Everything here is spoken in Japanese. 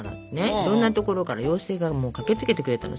いろんなところから妖精が駆けつけてくれたの。